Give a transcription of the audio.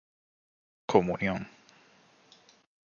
Comunión